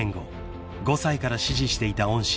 ［５歳から師事していた恩師